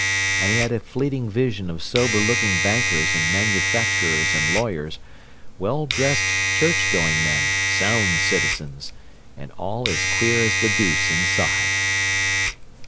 And he had a fleeting vision of sober looking bankers and manufacturers and lawyers, well dressed church going men, sound citizens—and all as queer as the deuce inside!